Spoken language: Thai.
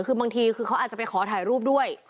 คือบางทีคือเขาอาจจะไปขอถ่ายรูปด้วย